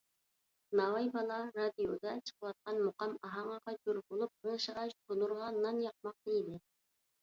ناۋاي بالا رادىيودا چىقىۋاتقان مۇقام ئاھاڭىغا جور بولۇپ غىڭشىغاچ تونۇرغا نان ياقماقتا ئىدى.